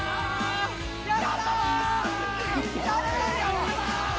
やったあ！